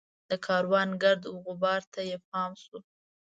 د کاروان ګرد وغبار ته یې پام شو.